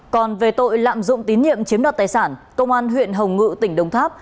còn về tội lạm dụng tín nhiệm chiếm đất tài sản công an huyện hồng ngự tỉnh đông tháp